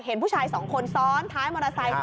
เห็นผู้ชายสองคนซ้อนท้ายมอเตอร์ไซค์